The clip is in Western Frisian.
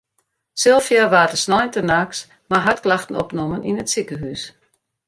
Sylvia waard de sneintenachts mei hartklachten opnommen yn it sikehûs.